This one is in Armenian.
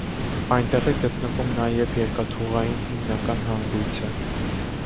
Այնտեղ է գտնվում նաև երկաթուղային հիմնական հանգույցը։